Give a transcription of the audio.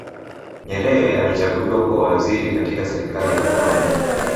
nyerere alichaguliwa kuwa waziri katika serikali ya wakoloni